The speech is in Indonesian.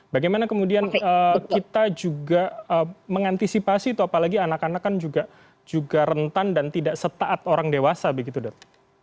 bagaimana kemudian kita juga mengantisipasi itu apalagi anak anak kan juga rentan dan tidak setaat orang dewasa begitu dok